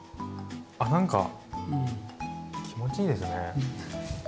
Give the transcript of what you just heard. あ何か気持ちいいですね。